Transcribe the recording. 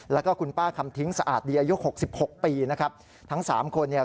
แล้วก็คุณป้าคำทิ้งสะอาดดีอายุหกสิบหกปีนะครับทั้งสามคนเนี่ย